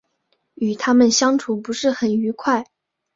与他们相处不是很愉快